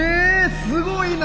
すごいな！